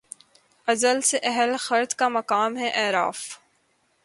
ازل سے اہل خرد کا مقام ہے اعراف